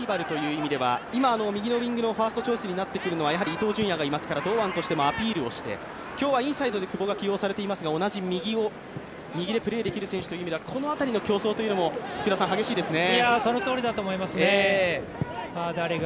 サバイバルという意味では、右のリングのファーストチョイスになるのはやはり伊東純也がいますから、堂安としてもアピールをして、今日はインサイドに久保が起用されていますが同じ右でプレーできる選手という意味ではこの辺りの競争も激しいですね。